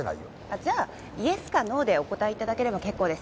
じゃあイエスかノーでお答え頂ければ結構です。